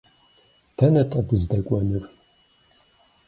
Дэнэ-тӏэ дыздэкӏуэнур?